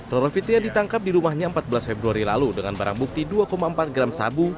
roro fitria ditangkap di rumahnya empat belas februari lalu dengan barang bukti dua empat gram sabu